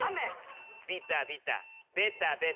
ビタビタベタベタ。